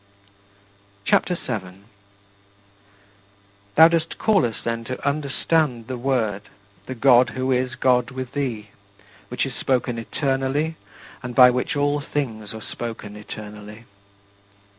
CHAPTER VII 9. Thou dost call us, then, to understand the Word the God who is God with thee which is spoken eternally and by which all things are spoken eternally.